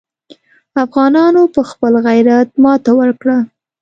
افغانانو په خپل غیرت ماته ورکړه.